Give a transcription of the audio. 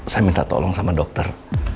saya minta tolong sama dokter